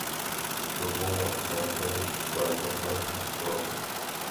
The home was characterized by Herrnhut values.